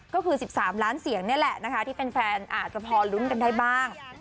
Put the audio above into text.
ก็คือ๑๓ล้านเสียงนี่แหละนะคะที่แฟนอาจจะพอลุ้นกันได้บ้าง